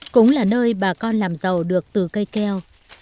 cũng là nơi bà con làm giàu được từ cây keo